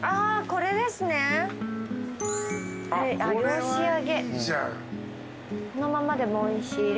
このままでもおいしい。